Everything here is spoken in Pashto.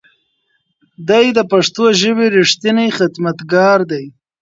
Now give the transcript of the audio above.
دی د پښتو ژبې رښتینی خدمتګار دی.